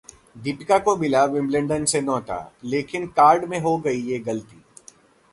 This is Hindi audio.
दीपिका को मिला विम्बलडन से न्यौता, लेकिन कार्ड में हो गई ये गलती